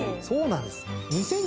そうなんです。